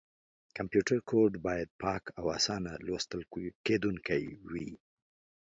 کمپیوټر کوډ باید پاک او اسانه لوستل کېدونکی وي.